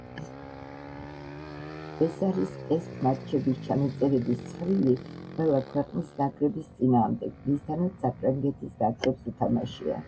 ეს არის ტესტ მატჩების ჩანაწერების ცხრილი ყველა ქვეყნის ნაკრების წინააღმდეგ, ვისთანაც საფრანგეთის ნაკრებს უთამაშია.